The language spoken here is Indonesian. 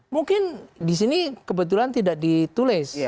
mungkin di sini kebetulan tidak ditulis